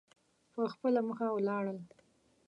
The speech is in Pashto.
په خپله مخه ولاړل.